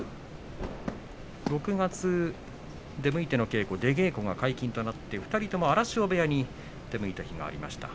６月、出向いての稽古出稽古が解禁となって２人とも荒汐部屋に出向いた日がありました。